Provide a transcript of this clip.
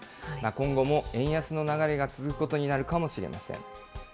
今後も円安の流れが続くことになるかもしれません。